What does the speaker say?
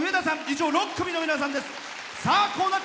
以上、６組の皆さんです。